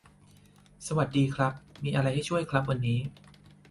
สวัสดีดีครับ มีอะไรให้ช่วยครับวันนี้